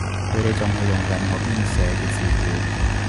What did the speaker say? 佢哋仲係用緊我編寫嘅字表